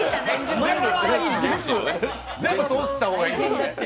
全部通した方がいいですよね。